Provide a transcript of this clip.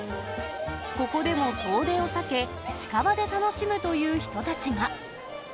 ここでも遠出を避け、近場で楽しむという人たちが。